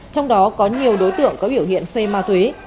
trong đó có nhiều đối tượng có biểu hiện phê ma túy